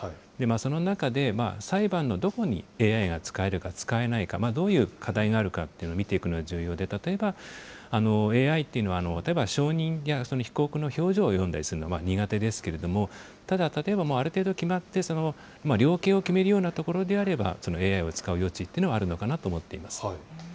その中で、裁判のどこにＡＩが使えるか、使えないか、どういう課題があるかというのを見ていくのが重要で、例えば、ＡＩっていうのは、例えば証人や被告の表情を読んだりするのは苦手ですけれども、ただ例えば、ある程度決まって、量刑を決めるようなところであれば、ＡＩを使う余地っていうのはあるのかなと思っています。